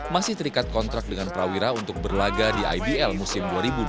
masih terikat kontrak dengan prawira untuk berlaga di ibl musim dua ribu dua puluh